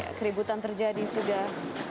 ya keributan terjadi sudah